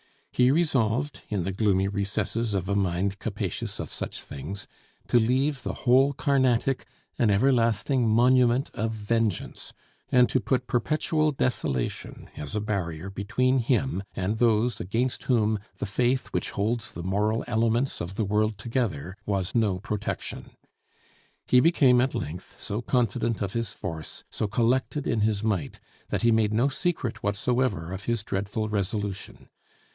He resolved, in the gloomy recesses of a mind capacious of such things, to leave the whole Carnatic an everlasting monument of vengeance, and to put perpetual desolation as a barrier between him and those against whom the faith which holds the moral elements of the world together was no protection. He became at length so confident of his force, so collected in his might, that he made no secret whatsoever of his dreadful resolution.